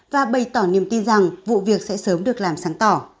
và bày tỏ niềm tin rằng vụ việc sẽ sớm được làm sáng tỏ